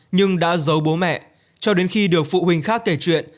nhưng đã giấu bố mẹ cho đến khi được phụ huynh khác kể chuyện